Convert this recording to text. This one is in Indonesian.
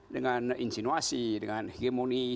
dengan insinuasi dengan hegemoni